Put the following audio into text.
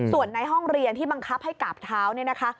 ส่วนในห้องเรียนที่บังคับให้กราบเท้าเนี่ยนะคะ